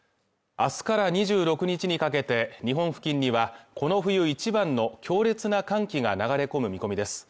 明日から２６日にかけて日本付近にはこの冬一番の強烈な寒気が流れ込む見込みです